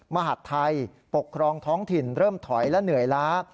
มหาดไทยปกครองท้องถิ่นเริ่มถอยและเหนื่อยล้า